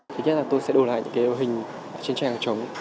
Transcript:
thứ nhất là tôi sẽ đổ lại những cái hình trên tranh hàng chống